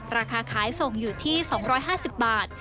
ราคาขายส่งอยู่ที่๒๕๐บาท